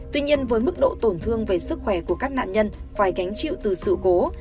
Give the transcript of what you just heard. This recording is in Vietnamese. tuy nhiên với mức độ tổn thương về sức khỏe của các nạn nhân phải gánh chịu từ sự cố